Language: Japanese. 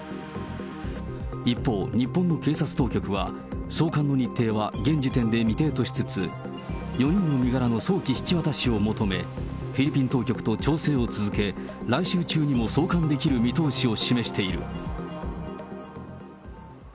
一方、日本の警察当局は、送還の日程は現時点で未定としつつ、４人の身柄の早期引き渡しを求め、フィリピン当局と調整を続け、来週中にも送還できる見通しを示している。